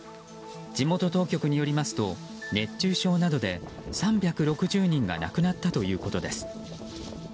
地元当局によりますと熱中症などで３６０人が亡くなったということです。